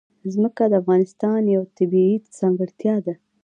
ځمکه د افغانستان یوه طبیعي ځانګړتیا ده.